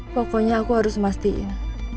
pokoknya aku harus memastikan